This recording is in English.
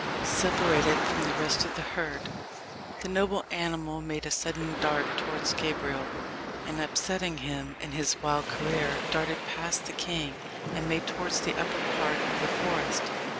Separated from the rest of the herd, the noble animal made a sudden dart towards Gabriel, and upsetting him in his wild career, darted past the king, and made towards the upper part of the forest.